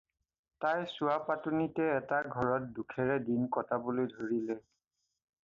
তাই চুৱাপাতনিতে এটা ঘৰত দুখেৰে দিন কটাবলৈ ধৰিলে।